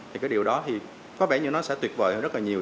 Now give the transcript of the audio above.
thì cái điều đó thì có vẻ như nó sẽ tuyệt vời hơn rất là nhiều